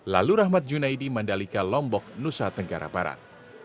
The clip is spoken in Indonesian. lalu rahmat junaidi mandalika lombok nusa tenggara barat